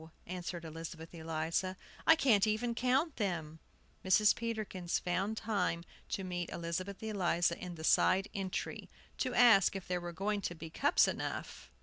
answered Elizabeth Eliza. "I can't even count them." Mrs. Peterkin found time to meet Elizabeth Eliza in the side entry, to ask if there were going to be cups enough.